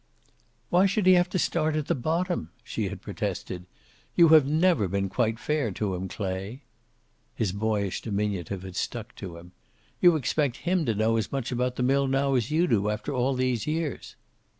"Why should he have to start at the bottom?" she had protested. "You have never been quite fair to him, Clay." His boyish diminutive had stuck to him. "You expect him to know as much about the mill now as you do, after all these years."